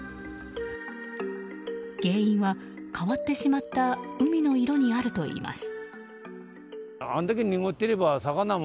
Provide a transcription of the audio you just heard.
原因は、変わってしまった海の色にあるといいます。